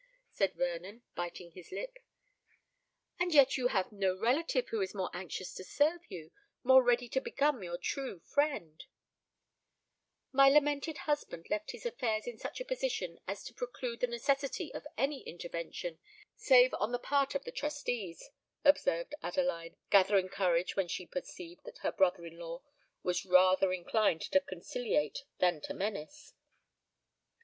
said Vernon, biting his lip. "And yet you have no relative who is more anxious to serve you—more ready to become your true friend——" "My lamented husband left his affairs in such a position as to preclude the necessity of any intervention save on the part of the trustees," observed Adeline, gathering courage when she perceived that her brother in law was rather inclined to conciliate than to menace.